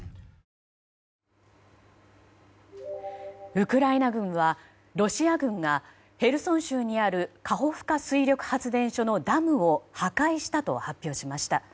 ウクライナ軍はロシア軍がヘルソン州にあるカホフカ水力発電所のダムを破壊したと発表しました。